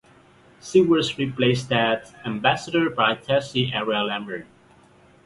She was replaced as ambassador by Tessie Eria Lambourne.